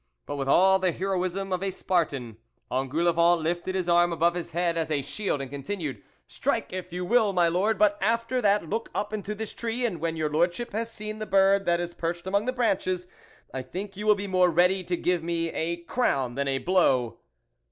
But with all the heroism of a Spartan, En goulevent lifted his arm above his head as a shield and continued : "Strike, if you will, my Lord, but after that look up into this tree, and when your Lordship has seen the bird that is perched among the branches, I think you will be more ready to give me a crown than a blow."